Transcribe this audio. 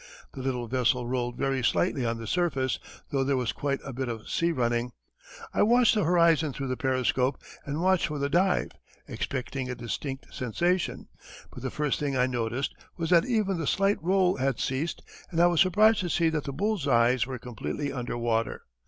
The little vessel rolled very slightly on the surface, though there was quite a bit of sea running. I watched the horizon through the periscope and watched for the dive, expecting a distinct sensation, but the first thing I noticed was that even the slight roll had ceased and I was surprised to see that the bulls' eyes were completely under water.